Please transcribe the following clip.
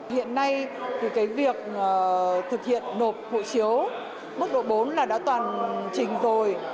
hiện nay việc thực hiện nộp hộ chiếu mức độ bốn đã toàn trình rồi